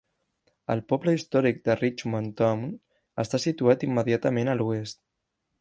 El poble històric de Richmond Town està situat immediatament a l'oest.